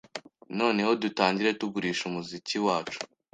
noneho dutangire tugurishe umuziki wacu